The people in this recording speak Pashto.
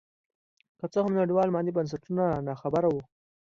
که څه هم نړیوال مالي بنسټونه نا خبره وو.